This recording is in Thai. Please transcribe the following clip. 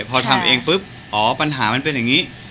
พอทำเองปุ๊บอ๋อปัญหามันเป็นอย่างนี้